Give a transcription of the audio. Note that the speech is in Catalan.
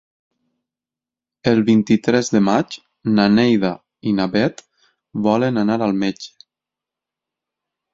El vint-i-tres de maig na Neida i na Bet volen anar al metge.